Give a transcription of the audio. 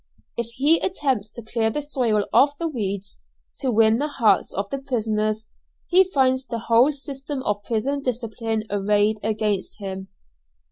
If he attempts to clear the soil of the weeds, to win the hearts of the prisoners, he finds the whole system of prison discipline arrayed against him.